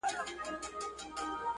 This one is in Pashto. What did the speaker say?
• لا تر اوسه پر کږو لارو روان یې..